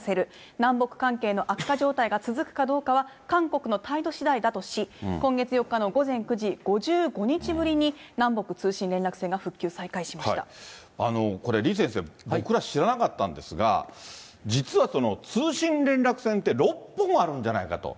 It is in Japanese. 南北関係の悪化状態が続くかどうかは、韓国の態度しだいだとし、今月４日の午前９時、５５日ぶりに、南北通信連絡線が復旧、これ、李先生、僕ら知らなかったんですが、実は通信連絡線って６本あるんじゃないかと。